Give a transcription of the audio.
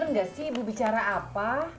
bapak denger gak sih ibu bicara apa